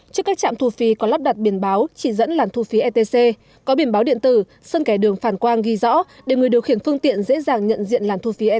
trước các trạm thu phí có lắp đặt biển báo chỉ dẫn làn thu phí etc có biển báo điện tử sân kẻ đường phản quang ghi rõ để người điều khiển phương tiện dễ dàng nhận diện làn thu phí et